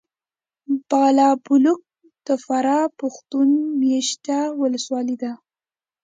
بالابلوک د فراه پښتون مېشته ولسوالي ده .